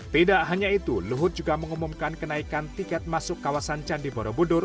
tidak hanya itu luhut juga mengumumkan kenaikan tiket masuk kawasan candi borobudur